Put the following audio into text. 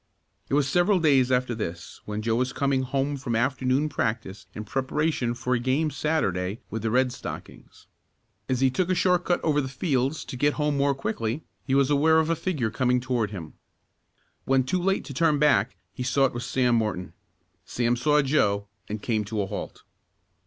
It was several days after this when Joe was coming home from afternoon practice in preparation for a game Saturday with the Red Stockings. As he took a short cut over the fields to get home more quickly, he was aware of a figure coming toward him. When too late to turn back he saw it was Sam Morton. Sam saw Joe and came to a halt.